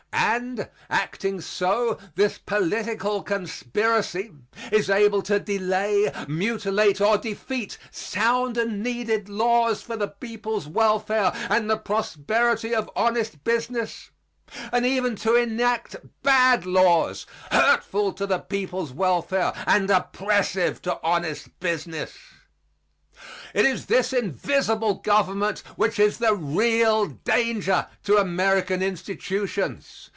And, acting so, this political conspiracy is able to delay, mutilate or defeat sound and needed laws for the people's welfare and the prosperity of honest business and even to enact bad laws, hurtful to the people's welfare and oppressive to honest business. It is this invisible government which is the real danger to American institutions.